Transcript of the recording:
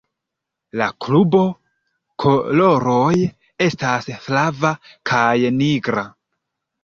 La klubo koloroj estas flava kaj nigra.